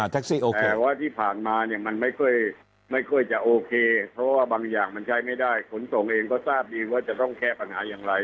แต่ว่าที่ผ่านมาเนี่ยมันไม่ค่อยจะโอเคเพราะว่าบางอย่างมันใช้ไม่ได้ขนส่งเองก็ทราบดีว่าจะต้องแก้ปัญหาอย่างไร